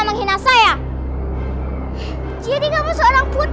jangan lupa untuk berikan duit